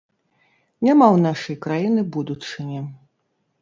Няма ў нашай краіны будучыні.